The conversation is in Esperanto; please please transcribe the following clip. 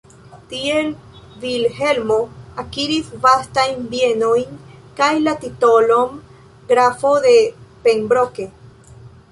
Tiel Vilhelmo akiris vastajn bienojn kaj la titolon "grafo de Pembroke".